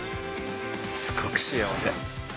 すごく幸せ。